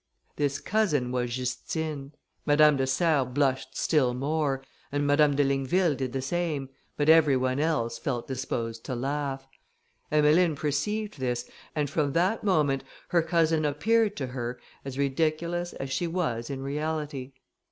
This cousin was Justine. Madame de Serres blushed still more, and Madame de Ligneville did the same; but every one else felt disposed to laugh. Emmeline perceived this, and from that moment her cousin appeared to her as ridiculous as she was in reality.